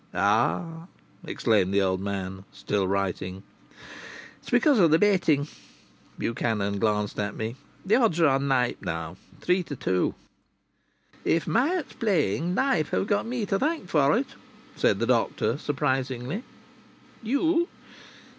"Ah!" exclaimed the old man, still writing. "It's because of the betting," Buchanan glanced at me. "The odds are on Knype now three to two." "If Myatt is playing Knype have got me to thank for it," said the doctor, surprisingly. "You?"